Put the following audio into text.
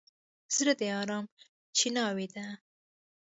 زړه د ارام چیناوه ده.